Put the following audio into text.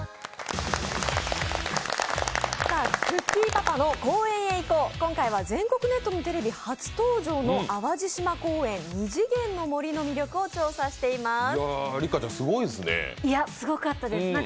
パパの公園へ行こう！」、今回は全国ネットのテレビ初登場の淡路島公園・ニジゲンノモリの魅力を調査しています。